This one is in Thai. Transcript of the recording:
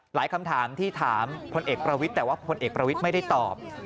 คำถามที่ถามพลเอกประวิทย์แต่ว่าพลเอกประวิทย์ไม่ได้ตอบ